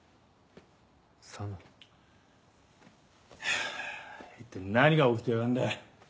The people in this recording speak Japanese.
ハァ一体何が起きてやがんだ。